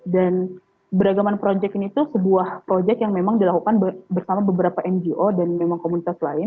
dan beragaman proyek ini tuh sebuah proyek yang memang dilakukan bersama beberapa ngo dan memang komunitas lain